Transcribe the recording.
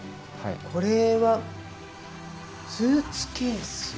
これははいスーツケースです。